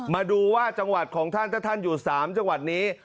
มาดูว่าจังหวัดของท่านถ้าท่านอยู่๓จังหวัดนี้